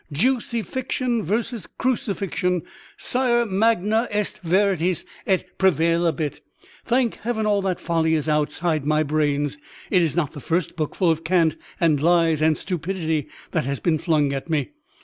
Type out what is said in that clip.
"Jewcy fiction versus crucifixion, sire; magna est veritas et prevalebit! Thank Heaven, all that folly is _out*side my brains; it is not the first book full of cant and lies and stupidity that has been flung at me.